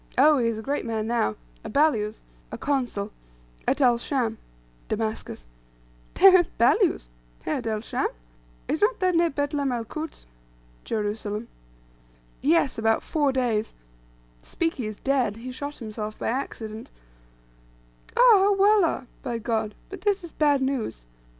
Oh, he is a great man now; a balyuz (a consul) at El Scham" (Damascus.) "Heh heh; balyuz! Heh, at El Scham! Is not that near Betlem el Kuds?" (Jerusalem.) "Yes, about four days. Spiki is dead. He shot himself by accident." "Ah, ah, Wallah (by God), but this is bad news.